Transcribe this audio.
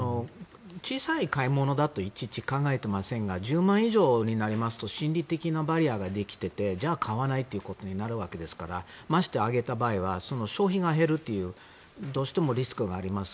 小さい買い物だといちいち考えていませんが１０万円以上になりますと心理的なバリアができていてじゃあ買わないっていうことになるわけですからまして上げた場合は消費が減るというどうしてもリスクがあります。